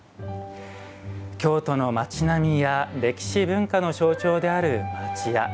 京都の町並みや歴史、文化の象徴である町家。